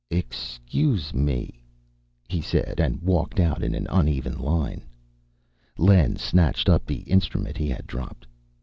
"Excuse me," he said, and walked out in an uneven line. Len snatched up the instrument he had dropped.